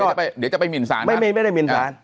เดี๋ยวจะไปหมินสารไม่ได้หมินสาร